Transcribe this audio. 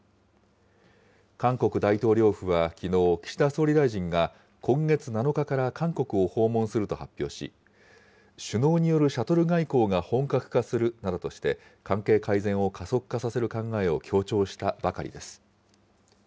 韓国大統領府はきのう、岸田総理大臣が今月７日から韓国を訪問すると発表し、首脳によるシャトル外交が本格化するなどとして、関係改善を加速化させる考えを強調したばかりです。